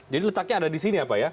jadi letaknya ada di sini ya pak ya